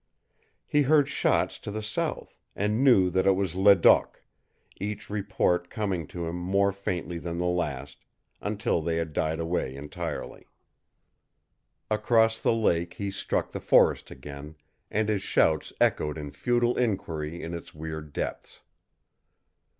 He heard shots to the south, and knew that it was Ledoq; each report coming to him more faintly than the last, until they had died away entirely. Across the lake he struck the forest again, and his shouts echoed in futile inquiry in its weird depths.